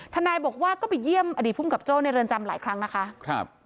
นายบอกว่าก็ไปเยี่ยมอดีตภูมิกับโจ้ในเรือนจำหลายครั้งนะคะ